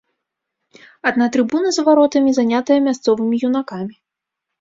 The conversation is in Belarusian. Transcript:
Адна трыбуна за варотамі занятая мясцовымі юнакамі.